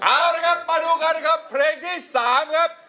เอาละครับมาดูกันครับเพลงที่๓ครับ